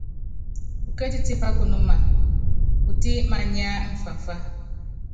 Pukétí tipá kunúma putɛ́ mánya mfamfa.